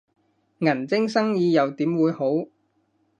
銀晶生意又點會好